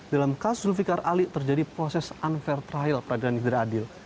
dalam kasus zulfiqar ali terjadi proses unfair trial peradilan yang tidak adil